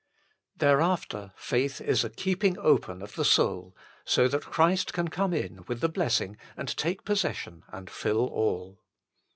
Thereafter, faith is a keeping open of the soul, so that Christ can come in with the blessing and take possession and fill all.